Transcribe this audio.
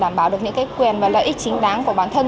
đảm bảo được những quyền và lợi ích chính đáng của bản thân